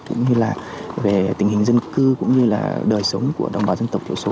cũng như về tình hình dân cư cũng như đời sống của đồng bào dân tộc thiểu số